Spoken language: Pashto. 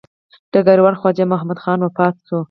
ډګروال خواجه محمد خان وفات شوی.